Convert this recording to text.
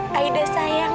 tentang hidup seseorang